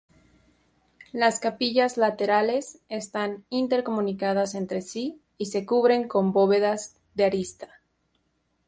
Las capillas laterales están intercomunicadas entre sí y se cubren con bóvedas de arista.